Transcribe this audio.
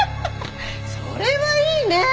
それはいいね。